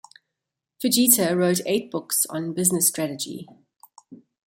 Fujita wrote eight books on business strategy.